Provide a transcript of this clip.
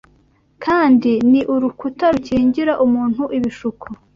kandi ni urukuta rukingira umuntu ibishuko